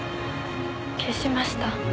消しました。